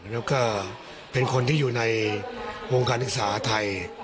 แล้วก็เป็นคนที่อยู่ในวงการศึกษาไทย